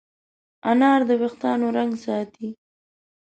انار د وېښتانو رنګ ساتي.